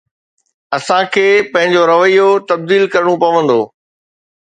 اسان کي پنهنجو رويو تبديل ڪرڻو پوندو.